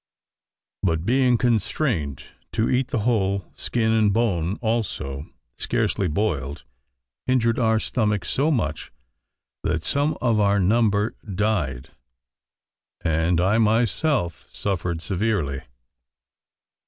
But being constrained to eat the whole, skin and bone also, scarcely boiled, injured our stomachs so much, that some of our number died, and I myself suffered severely.